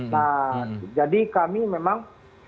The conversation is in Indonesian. nah jadi kami memang